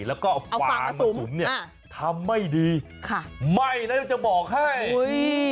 แล้วก็เอาฟางมาคุมเนี่ยถ้าไม่ดีไม่แล้วจะบอกให้อุ้ย